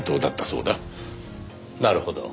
なるほど。